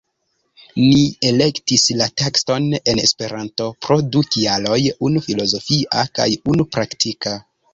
Ni elektis la tekston en Esperanto pro du kialoj, unu filozofia kaj unu praktika.